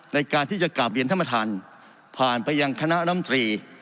ในการที่จะกลับเรียนท่านประธานผ่านไปยังคณะลำตรี